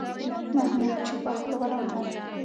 محمود چوپه خوله ولاړ و.